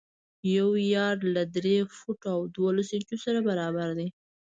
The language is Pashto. یو یارډ له درې فوټو او دولس انچو سره برابر دی.